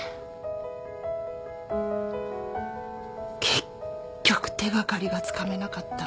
結局手掛かりがつかめなかった。